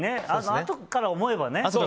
あとから思えばね。